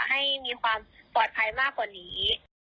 ให้มีความปลอดภัยมากกว่านี้